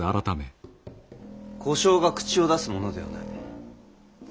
小姓が口を出すものではない。